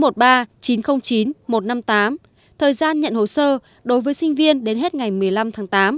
thời gian nhận hồ sơ đối với sinh viên đến hết ngày một mươi năm tháng tám